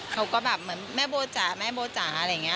เขาก็แบบเหมือนแม่โบจ๋าแม่โบจ๋าอะไรอย่างนี้